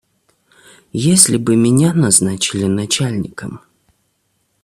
Если бы меня назначили начальником.